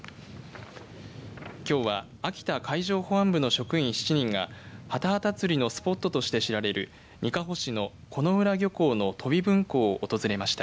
きょうは秋田海上保安部の職員７人がハタハタ釣りのスポットとして知られる、にかほ市の金浦漁港の飛分港を訪れました。